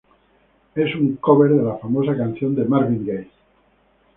Es un cover de la famosa canción de Marvin Gaye.